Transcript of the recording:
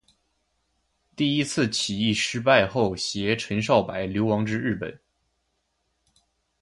第一次起义失败后偕陈少白流亡至日本。